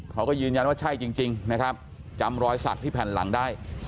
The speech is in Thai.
เขาก็ยืนยันว่าใช่จริงนะครับจำรอยสักที่แผ่นหลังได้